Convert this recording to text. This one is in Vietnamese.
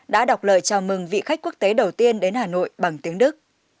đã đọc lời chào mừng vị khách quốc tế đầu tiên đến hà nội bằng tiếng đức